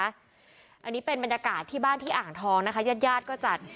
อันนี้เป็นบรรยากาศที่บ้านที่อ่างทองนะคะญาติญาติก็จัด